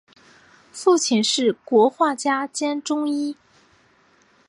父亲是国画家兼中医。